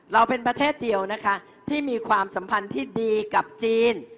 เราเป็นประเทศเดียวนะคะที่มีความสัมพันธ์ที่ดีกับจีน